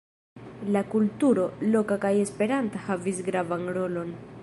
La kulturo, loka kaj esperanta, havis gravan rolon.